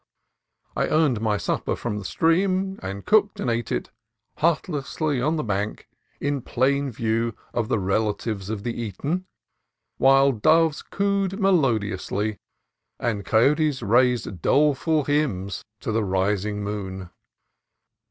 I earned my supper from the stream, and cooked and ate it heartlessly on the bank in plain view of the rela tives of the eaten, while doves cooed melodiously and coyotes raised doleful hymns to the rising moon.